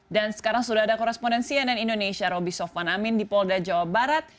dan sekarang sudah ada korespondensi ann indonesia roby sofwan amin di polda jawa barat